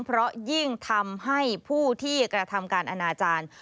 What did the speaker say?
เพราะยิ่งทำให้ผู้ที่กระทำการอนาจารย์